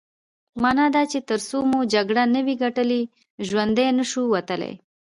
مانا دا چې ترڅو مو جګړه نه وي ګټلې ژوندي نه شو وتلای.